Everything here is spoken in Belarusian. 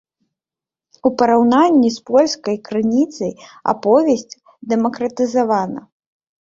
У параўнанні з польскай крыніцай аповесць дэмакратызавана.